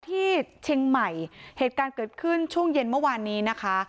ที่เชียงใหม่เหตุการณ์เกิดขึ้นช่วงเย็นเมื่อวานนี้นะคะ